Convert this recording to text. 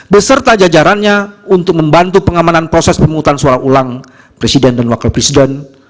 beserta jajarannya untuk membantu pengamanan proses pemungutan suara ulang presiden dan wakil presiden